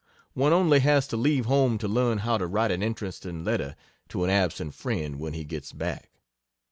One only has to leave home to learn how to write an interesting letter to an absent friend when he gets back.